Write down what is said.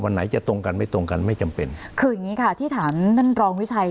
ไหนจะตรงกันไม่ตรงกันไม่จำเป็นคืออย่างงี้ค่ะที่ถามท่านรองวิชัย